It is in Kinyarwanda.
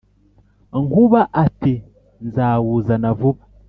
Nkuba ati « nzawuzana vuba.